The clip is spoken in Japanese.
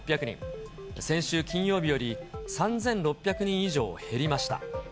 先週金曜日より３６００人以上減りました。